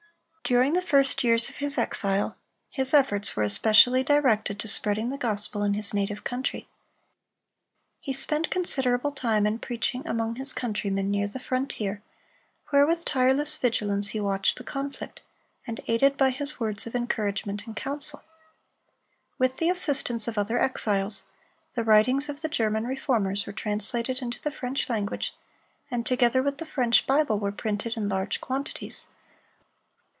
During the first years of his exile, his efforts were especially directed to spreading the gospel in his native country. He spent considerable time in preaching among his countrymen near the frontier, where with tireless vigilance he watched the conflict, and aided by his words of encouragement and counsel. With the assistance of other exiles, the writings of the German Reformers were translated into the French language, and together with the French Bible, were printed in large quantities.